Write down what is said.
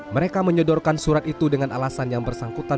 mereka menyodorkan surat itu dengan alasan yang bersangkutan